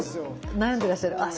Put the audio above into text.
悩んでらっしゃるあっ